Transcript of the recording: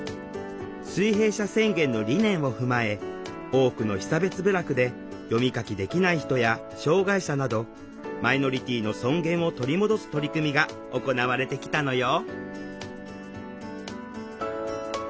水平社宣言の理念をふまえ多くの被差別部落で読み書きできない人や障害者などマイノリティーの尊厳を取り戻す取り組みが行われてきたのよ。